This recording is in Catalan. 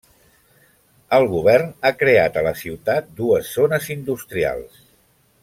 El govern ha creat a la ciutat dues zones industrials.